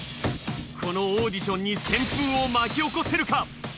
このオーディションに旋風を巻き起こせるか？